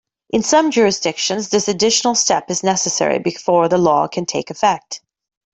In some jurisdictions, this additional step is necessary before the law can take effect.